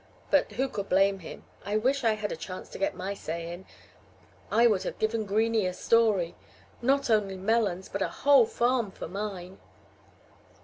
But who could blame him? I wish I had a chance to get my say in, I would have given Greenie a story! Not only melons, but a whole farm for mine!"